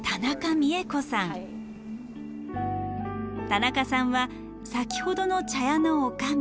田中さんは先ほどの茶屋のおかみ。